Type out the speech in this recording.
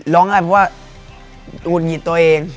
ง่ายเพราะว่าหุดหงิดตัวเอง